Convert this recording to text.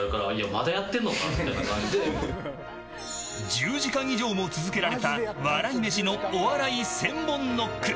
１０時間以上も続けられた笑い飯のお笑い１０００本ノック。